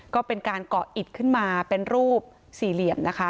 ก็เป็นการเกาะอิดขึ้นมาเป็นรูปสี่เหลี่ยมนะคะ